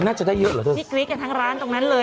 น่าจะได้เยอะหรอทุกคน